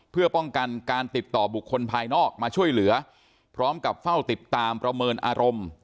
เพื่อป้องกันการติดต่อบุคคลภายนอกมาช่วยเหลือพร้อมกับเฝ้าติดตามประเมินอารมณ์